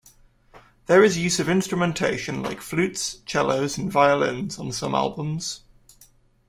There is use of instrumentation like flutes, cellos and violins on some albums.